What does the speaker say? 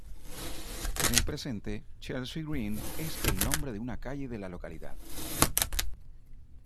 En el presente, Chelsea Green es el nombre de una calle de la localidad.